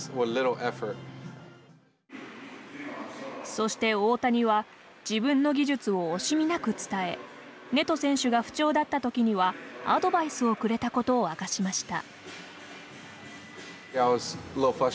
そして大谷は自分の技術を惜しみなく伝えネト選手が不調だった時にはアドバイスをくれたことを明かしました。